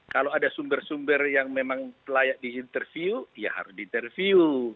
kalau ada sumber sumber yang memang layak diinterview ya harus diinterview